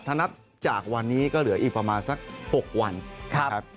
ถ้านับจากวันนี้ก็เหลืออีกประมาณสัก๖วันครับ